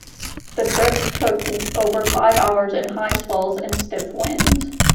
The trip took over five hours in high swells and stiff winds.